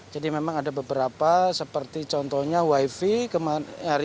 jadi memang ada beberapa seperti contohnya wifi